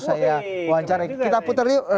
saya wawancarai kita putar yuk